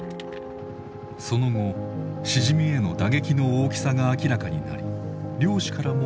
その後しじみへの打撃の大きさが明らかになり漁師からも反対の声が。